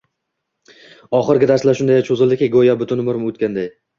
Oxirgi darslar shunday cho`zildiki go`yo butun umr o`tganday